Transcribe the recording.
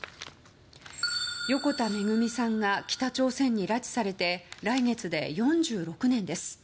横田めぐみさんが北朝鮮に拉致されて来月で４６年です。